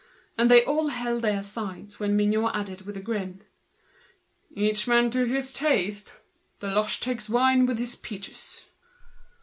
And they all held their sides when Mignot added, with a grin: "Each man to his taste. Deloche takes wine with his peaches."